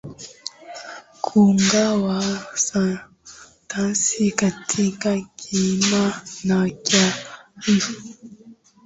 Kugawa sentensi katika kiima na kiarifu